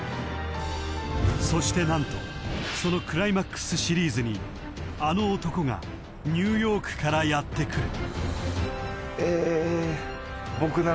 ［そして何とそのクライマックスシリーズにあの男がニューヨークからやって来る］